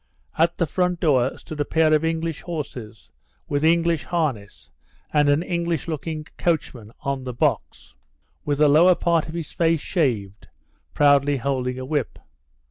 At the front door stood a pair of English horses, with English harness, and an English looking coachman on the box, with the lower part of his face shaved, proudly holding a whip.